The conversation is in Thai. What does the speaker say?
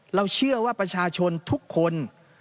เราเชื่อว่าประชาชนทุกคน